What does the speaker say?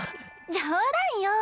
冗談よ。